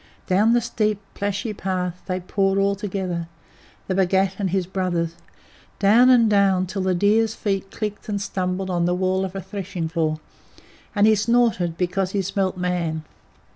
Down the steep, plashy path they poured all together, the Bhagat and his brothers, down and down till the deer's feet clicked and stumbled on the wall of a threshing floor, and he snorted because he smelt Man.